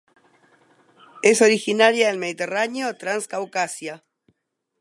Es originaria del Mediterráneo a Transcaucasia.